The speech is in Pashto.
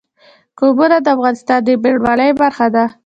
قومونه د افغانستان د بڼوالۍ برخه ده.